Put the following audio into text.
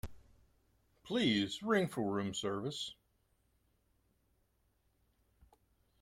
Please ring for room service